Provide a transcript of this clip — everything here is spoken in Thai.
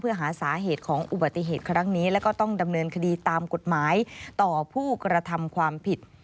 เพื่อหาสาเหตุของอุบัติเหตุครั้งนี้แล้วก็ต้องดำเนินคดีตามกฎหมายต่อผู้กระทำความผิด